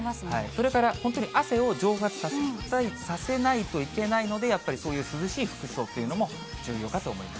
それから本当に汗を蒸発させないといけないので、やっぱりそういう涼しい服装というのも重要かと思います。